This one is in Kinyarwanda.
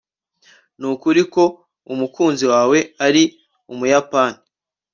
Nukuri ko umukunzi wawe ari umuyapani